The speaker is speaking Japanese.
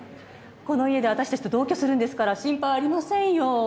この家で私たちと同居するんですから心配ありませんよ。